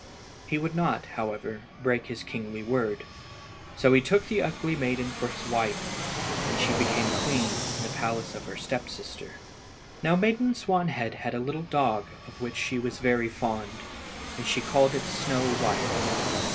He would not, however, break his kingly word, so he took the ugly maiden for his wife, and she became queen in the place of her step sister. Now Maiden Swanwhite had a little dog of which she was very fond, and she called it Snow white.